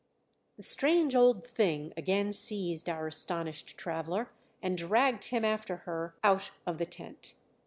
The strange old thing again seized our astonished traveller and dragged him after her out of the tent.